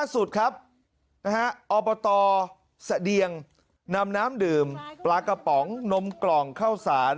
สะเดียงน้ำน้ำดื่มปลากระป๋องนมกล่องเข้าสาร